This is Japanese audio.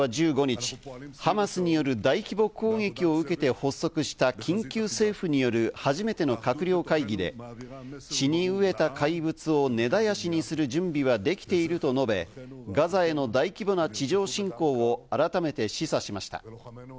イスラエルのネタニヤフ首相は１５日、ハマスによる大規模攻撃を受けて発足した緊急政府による初めての閣僚会議で、血に飢えた怪物を根絶やしにする準備はできていると述べ、ガザへの大規模な地上侵攻を改めて示唆しました。